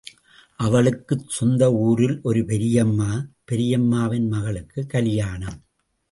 அவளுக்குச் சொந்த ஊரில் ஒரு பெரியம்மா, பெரியம்மாவின் மகளுக்குக் கலியாணம்.